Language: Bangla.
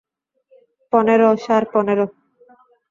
পনেরো, সার, পনেরো?